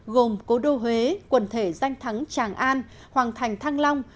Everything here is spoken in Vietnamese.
gồm cố đô huế quần thể danh thắng tràng an hoàng thành thăng long